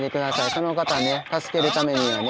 その方ね助けるためにはね。